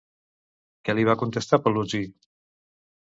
Què li va contestar Paluzi?